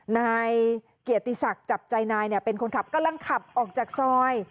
นายเกียรติศักดิ์จับใจนายเป็นคนขับกำลังขับออกจากซอย